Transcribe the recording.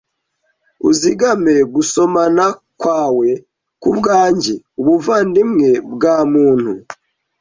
Uzigame Gusomana kwawe Kubwanjye Ubuvandimwe bwa Muntu